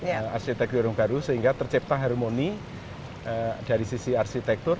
ada arsitektur yang baru sehingga tercipta harmoni dari sisi arsitektur